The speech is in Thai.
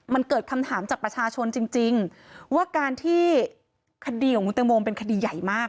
มันเกิดคำถามจากประชาชนจริงว่าการที่คดีของคุณตังโมเป็นคดีใหญ่มาก